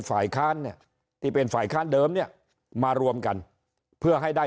ฝ่ายค้านเนี่ยที่เป็นฝ่ายค้านเดิมเนี่ยมารวมกันเพื่อให้ได้